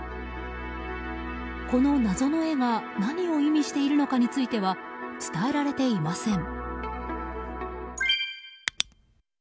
この謎の絵が何を意味しているのかについては伝えられていません。